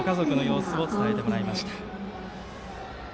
そのご家族の様子を伝えてもらいました。